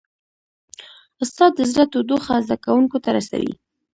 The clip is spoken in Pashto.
استاد د زړه تودوخه زده کوونکو ته رسوي.